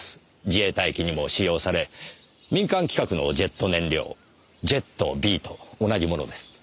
自衛隊機にも使用され民間規格のジェット燃料ＪＥＴ−Ｂと同じものです。